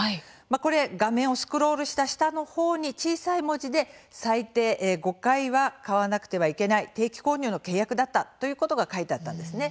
これ、画面をスクロールした下のほうに小さい文字で最低５回は買わなくてはいけない定期購入の契約だったということが書いてあったのですね。